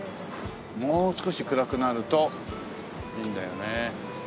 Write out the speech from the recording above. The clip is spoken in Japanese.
もう少し暗くなるといいんだよね。